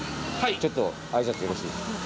ちょっとあいさつよろしいでしょうか？